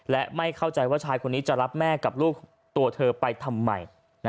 และไม่เข้าใจว่าชายคนนี้จะรับแม่กับลูกตัวเธอไปทำไม